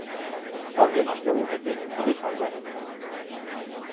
Joan den ostegunetik prest gaude.